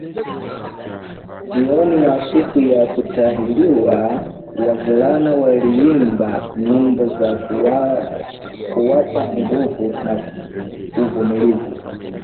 Jioni ya siku ya kutahiriwa, wavulana waliimba nyimbo za kuwapa nguvu na uvumilivu